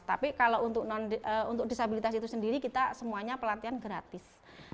tapi kalau untuk disabilitas itu sendiri kita semuanya pelatihan gratis